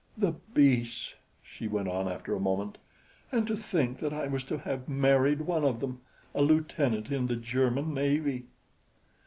"The beasts!" she went on after a moment. "And to think that I was to have married one of them a lieutenant in the German navy."